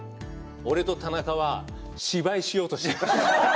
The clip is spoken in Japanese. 俺と田中は芝居しようとしています。